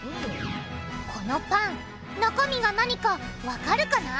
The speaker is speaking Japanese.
このパン中身が何かわかるかな？